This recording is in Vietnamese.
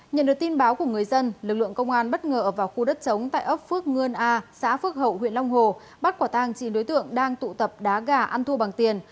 nhận được tin báo của người dân lực lượng công an bất ngờ vào khu đất chống tại ấp phước ngân a xã phước hậu huyện long hồ bắt quả tang chín đối tượng đang tụ tập đá gà ăn thua bằng tiền